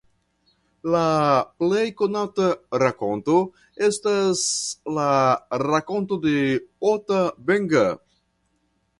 La plej konata rakonto estas la rakonto de Ota Benga.